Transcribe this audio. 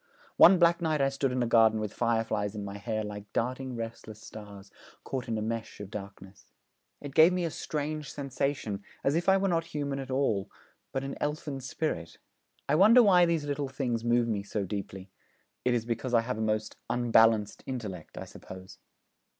One black night I stood in a garden with fireflies in my hair like darting restless stars caught in a mesh of darkness. It gave me a strange sensation, as if I were not human at all, but an elfin spirit. I wonder why these little things move me so deeply? It is because I have a most "unbalanced intellect," I suppose.'